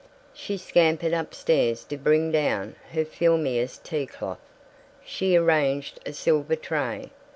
She scampered up stairs to bring down her filmiest tea cloth. She arranged a silver tray.